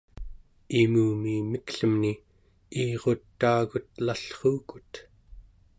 imumi miklemni iirutaagutelallruukut